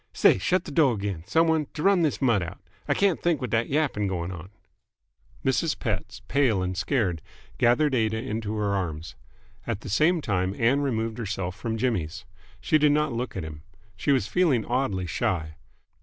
"Say, shut th't door 'gain, some one, and t'run this mutt out. I can't think with th't yapping going on." Mrs. Pett, pale and scared, gathered Aida into her arms. At the same time Ann removed herself from Jimmy's. She did not look at him. She was feeling oddly shy.